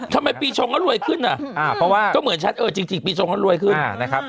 ทำไมปีชงก็รวยขึ้นอ่ะก็เหมือนชัดเออจริงปีชงก็รวยขึ้น